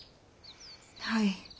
はい。